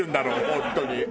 本当に。